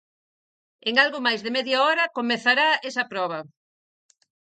En algo máis de media hora comezará esa proba.